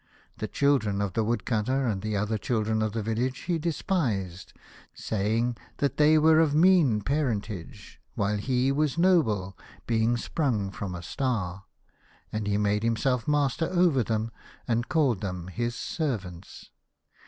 The children of the Woodcutter, and the other children of the village, he despised, saying 136 The Star Child. that they were of mean parentage, while he was noble, being sprung from a Star, and he made himself master over them, and called them his servants.